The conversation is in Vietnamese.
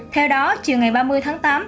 theo đó chiều ngày ba mươi tháng tám